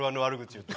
言ってた！